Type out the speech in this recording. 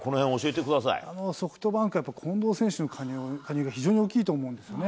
ソフトバンクはやっぱり、近藤選手の加入が非常に大きいと思うんですよね。